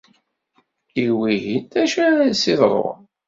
I wihin, d acu ara s-iḍrun?